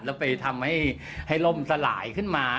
แล้วไปทำให้ล่มสลายขึ้นมา